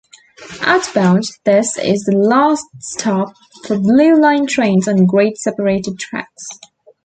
Outbound, this is the last stop for Blue Line trains on grade-separated tracks.